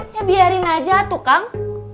ya biarin aja tuh kang